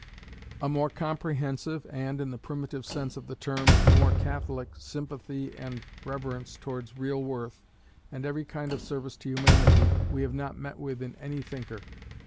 A more comprehensive, and, in the primitive sense of the term, more catholic, sympathy and reverence towards real worth, and every kind of service to humanity, we have not met with in any thinker.